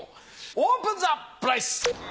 オープンザプライス。